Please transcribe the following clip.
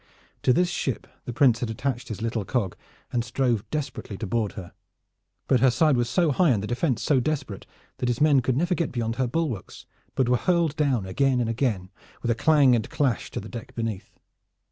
To this ship the Prince had attached his little cog and strove desperately to board her, but her side was so high and the defense so desperate that his men could never get beyond her bulwarks but were hurled down again and again with a clang and clash to the deck beneath.